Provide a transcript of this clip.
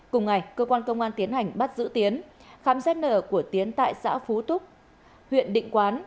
cùng ngày cơ quan công an tiến hành bắt giữ tiến khám xét nợ của tiến tại xã phú túc huyện định quán